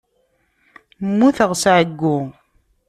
Mmuteɣ s ɛeyyu.